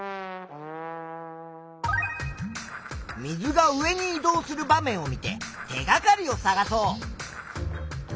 水が上に移動する場面を見て手がかりを探そう。